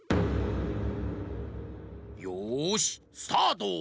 よしスタート！